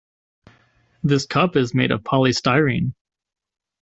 This cup is made of polystyrene.